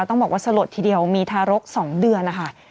ต้องบอกว่าสลดทีเดียวมีทารก๒เดือนนะคะ